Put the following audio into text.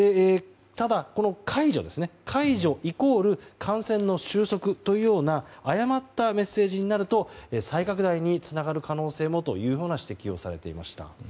ただ、この解除イコール感染の収束というような誤ったメッセージになると再拡大につながる可能性もという指摘をされていました。